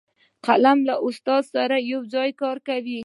قلم له استاد سره یو ځای کار کوي